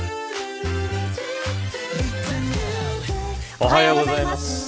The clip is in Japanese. おはようございます。